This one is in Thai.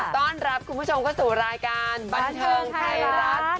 ต้อนรับคุณผู้ชมเข้าสู่รายการบันเทิงไทยรัฐ